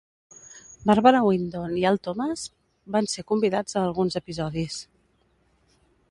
Barbara Wyndon i Al Thomas van ser convidats a alguns episodis.